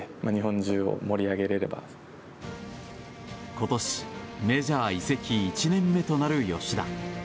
今年メジャー移籍１年目となる吉田。